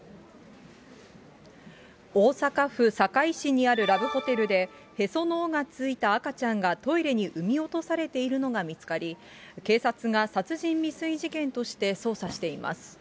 大阪府堺市にあるラブホテルで、へその緒がついた赤ちゃんがトイレに産み落とされているのが見つかり、警察が殺人未遂事件として捜査しています。